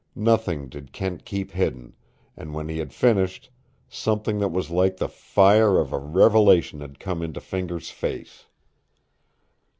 Nothing did Kent keep hidden, and when he had finished, something that was like the fire of a revelation had come into Fingers' face.